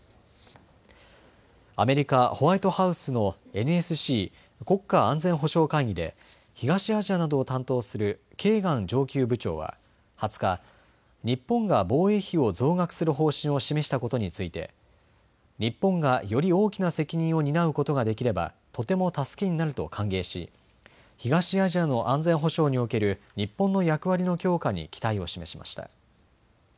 アメリカ、ホワイトハウスのＮＳＣ・国家安全保障会議で東アジアなどを担当するケーガン上級部長は２０日、日本が防衛費を増額する方針を示したことについて日本がより大きな責任を担うことができればとても助けになると歓迎し東アジアの安全保障における日本の役割の強化に期待を示しました。